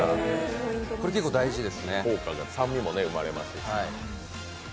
これ結構、大事ですね。